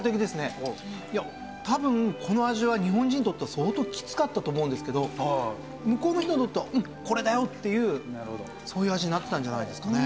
多分この味は日本人にとっては相当きつかったと思うんですけど向こうの人にとっては「うんこれだよ！」っていうそういう味になってたんじゃないですかね。